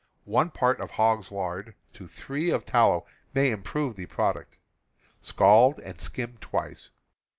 One part of hog's lard to three of tal low may improve the product. Scald and skim twice.